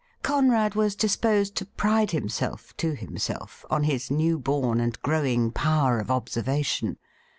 Conrad was disposed to pride himself, to himself, on his new bom and gi owing power of observation.